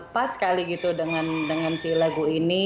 pas sekali gitu dengan si lagu ini